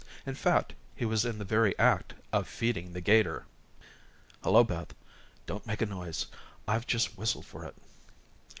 In fact, he was in the very act of feeding the 'gator. "Hello, Beth, don't make a noise. I've just whistled for it."